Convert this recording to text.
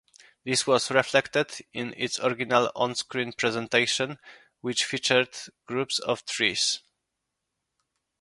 This was reflected in its original on-screen presentation which featured groups of threes.